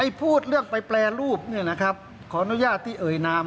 พูดเรื่องไปแปรรูปเนี่ยนะครับขออนุญาตที่เอ่ยนาม